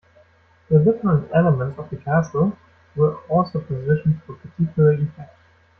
The different elements of the castle were also positioned for particular effect.